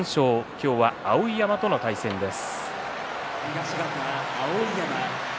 今日は碧山との対戦です。